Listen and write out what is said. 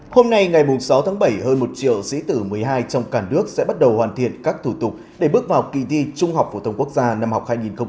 hôm nay ngày sáu tháng bảy hơn một triệu sĩ tử một mươi hai trong cả nước sẽ bắt đầu hoàn thiện các thủ tục để bước vào kỳ thi trung học phổ thông quốc gia năm học hai nghìn một mươi chín hai nghìn hai mươi